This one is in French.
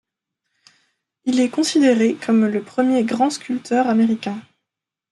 Il est considéré comme le premier grand sculpteur américain.